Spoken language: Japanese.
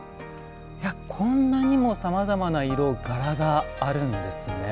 こんなにもさまざまな色柄があるんですね。